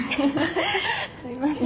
すいません。